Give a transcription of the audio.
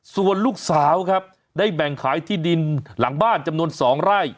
ส่วนลูกสาวครับได้แบ่งขายที่ดินหลังบ้านจำนวน๒ไร่